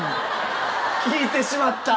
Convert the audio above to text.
聞いてしまった。